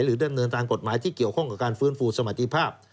ดำเนินตามกฎหมายที่เกี่ยวข้องกับการฟื้นฟูสมติภาพ